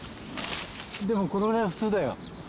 でもこのぐらいは普通だよ。